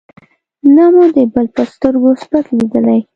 نه مو د بل په سترګو سپک لېدلی.